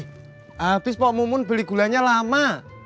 habis pak mumun beli gulanya lama